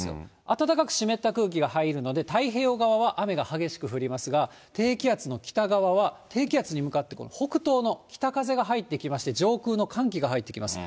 暖かく湿った空気が入るなど、太平洋側は雨が激しく降りますが、低気圧の北側は、低気圧に向かってこの北東の北風が入ってきまして、上空の寒気が入ってきます。